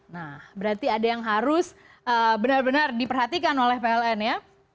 nah berarti ada yang harus benar benar diperhatikan oleh pln ya